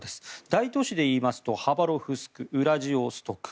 大都市でいいますとハバロフスク、ウラジオストク。